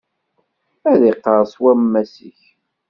Ad iqqerṣ wammas-ik.